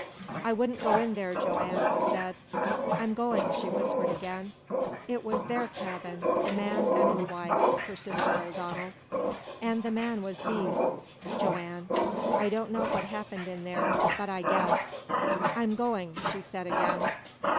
"I wouldn't go in there, Joanne," he said. "I'm going," she whispered again. "It was their cabin the man an' his wife," persisted old Donald. "An' the men was beasts, Joanne! I don't know what happened in there but I guess." "I'm going," she said again.